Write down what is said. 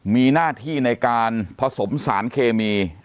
มีหน้าที่ในการผสมสารเคมี